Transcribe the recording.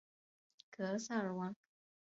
格萨尔王